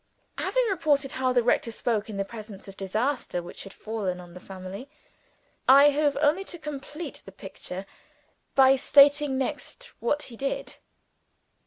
Having reported how the rector spoke, in the presence of the disaster which had fallen on the family, I have only to complete the picture by stating next what he did.